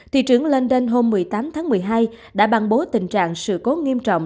thị trưởng london hôm một mươi tám tháng một mươi hai đã ban bố tình trạng sự cố nghiêm trọng